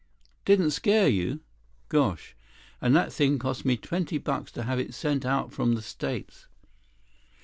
"Didn't scare you? Gosh, and that thing cost me twenty bucks to have it sent out from the States."